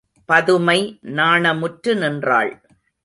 பதுமை நாணமுற்று நின்றாள்.